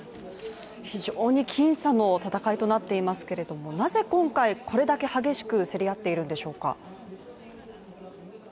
非常に僅差の戦いとなっていますけれども、なぜ、今回、これだけ激しく競り合っているんでしょうか？